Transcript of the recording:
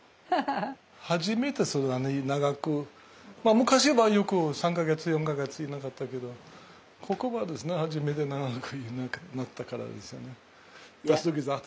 昔はよく３か月４か月いなかったけどここはですね初めて長くいなくなったからですよね。